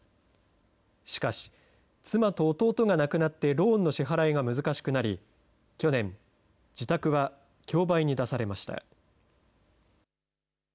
しかし、妻と弟が亡くなってローンの支払いが難しくなり、去年、自宅は競売に出されました。